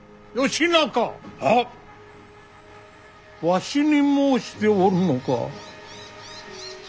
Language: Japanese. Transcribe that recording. わしに申しておるのか。